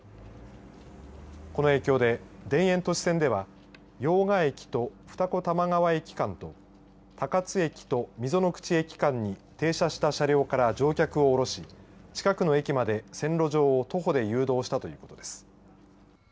この影響で田園都市線では用賀駅と二子玉川駅間と高津駅と溝の口駅間に停車した車両から乗客を降ろし近くの駅まで線路上を徒歩で誘導したということです。